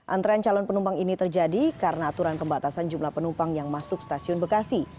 antrean calon penumpang ini terjadi karena aturan pembatasan jumlah penumpang yang masuk stasiun bekasi